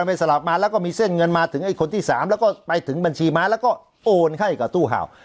ไปสลับมาแล้วก็มีเส้นเงินมาถึงไอ้คนที่๓แล้วก็ไปถึงบัญชีม้าแล้วก็โอนให้กับตู้เห่า